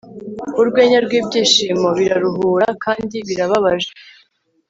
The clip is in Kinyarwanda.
Urwenya rwibyishimo biraruhura kandi birababaje